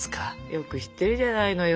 よく知ってるじゃないのよ。